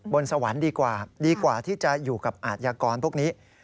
บนสวรรค์ดีกว่าดีกว่าที่จะอยู่กับอาชญากรพวกนี้